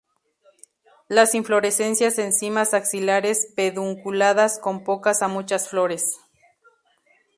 Las inflorescencias en cimas axilares, pedunculadas, con pocas a muchas flores.